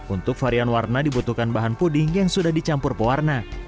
untuk varian warna dibutuhkan bahan puding yang sudah dicampur pewarna